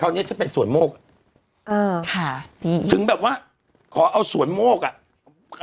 คราวเนี้ยจะเป็นสวนโมกเออค่ะดีดีถึงแบบว่าขอเอาสวนโมกอ่ะ